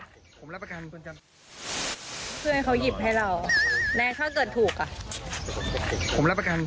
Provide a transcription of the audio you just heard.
เขื่อนเขายิบให้เราแน็กถ้าเกิดถูกอ่ะ